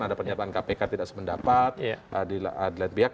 ada pernyataan kpk tidak sependapat di lain pihak